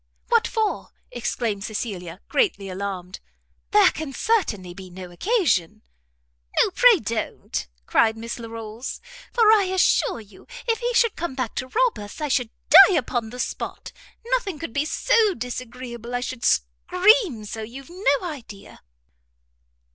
"What for?" exclaimed Cecilia, greatly alarmed "there can certainly be no occasion!" "No, pray don't," cried Miss Larolles, "for I assure you if he should come back to rob us, I should die upon the spot. Nothing could be so disagreeable I should scream so, you've no idea."